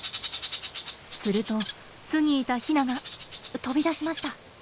すると巣にいたヒナが飛び出しました！